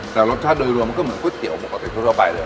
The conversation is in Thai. แต่รสชาติโดยรวมมันก็เหมือนก๋วยเตี๋ยวปกติทั่วไปเลย